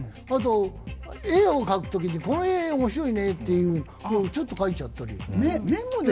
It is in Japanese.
あと、絵を描くときに、この絵面白いねっていうのをちょっと描いちゃったり、メモ。